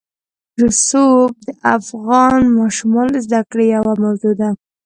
رسوب د افغان ماشومانو د زده کړې یوه موضوع ده.